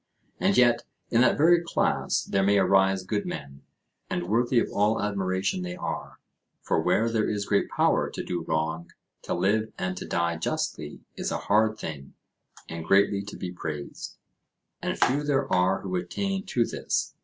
And yet in that very class there may arise good men, and worthy of all admiration they are, for where there is great power to do wrong, to live and to die justly is a hard thing, and greatly to be praised, and few there are who attain to this.